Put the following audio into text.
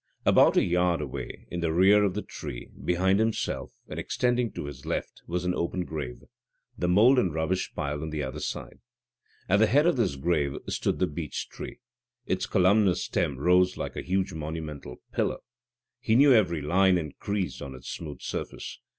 About a yard away, in rear of the tree, behind himself, and extending to his left, was an open grave, the mould and rubbish piled on the other side. At the head of this grave stood the beech tree; its columnar stem rose like a huge monumental pillar. He knew every line and crease on its smooth surface.